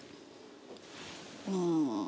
うん。